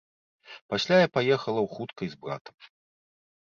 Пасля я паехала ў хуткай з братам.